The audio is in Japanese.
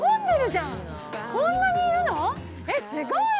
◆すごい。